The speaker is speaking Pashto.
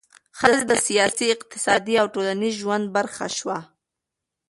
ښځې د سیاسي، اقتصادي او ټولنیز ژوند برخه شوه.